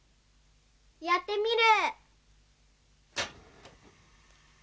やってみる。